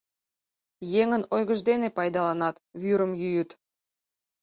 Еҥын ойгыж дене пайдаланат, вӱрым йӱыт.